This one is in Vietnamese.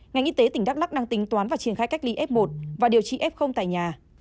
ngành y tế tỉnh đắk lắc đang tính toán và triển khai cách ly f một và điều trị f tại nhà